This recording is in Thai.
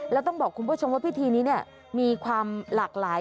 แล้วต้องบอกคุณผู้ชมว่าพิธีนี้มีความหลากหลาย